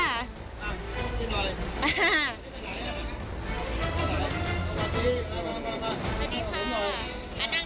สวัสดีค่ะนั่ง